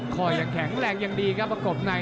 คอยังแข็งแรงยังดีครับประกบใน